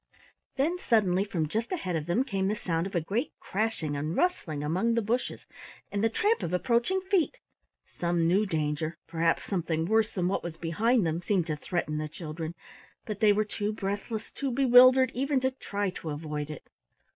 Then suddenly from just ahead of them came the sound of a great crashing and rustling among the bushes and the tramp of approaching feet. Some new danger perhaps something worse than what was behind them seemed to threaten the children, but they were too breathless, too bewildered even to try to avoid it.